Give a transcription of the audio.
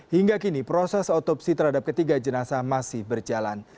hingga kini proses otopsi terhadap ketiga jenasa masih berjalan